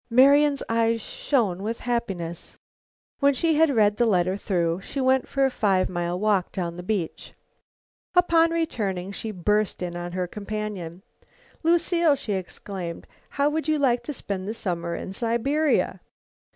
Marian's eyes shone with happiness. When she had read the letter through, she went for a five mile walk down the beach. Upon returning she burst in on her companion. "Lucile," she exclaimed, "how would you like to spend the summer in Siberia?"